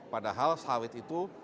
padahal sawit itu